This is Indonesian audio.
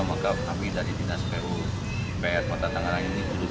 maka kami dari dinas pu bn kota tangerang ini